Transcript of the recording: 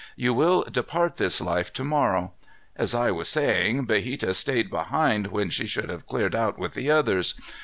You will depart this life to morrow. As I was saying, Biheta stayed behind when she should have cleared out with the others.